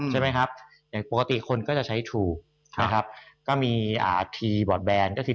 ใช่ไหมครับอย่างปกติคนก็จะใช้ทูนะครับก็มีอ่าทีบอร์ดแรนด์ก็คือ